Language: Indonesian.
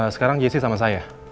sekarang jessy sama saya